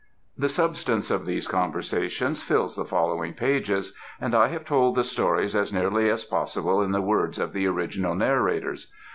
The substance of these conversations fills the following pages, and I have told the stories as nearly as possible in the words of the original narrators.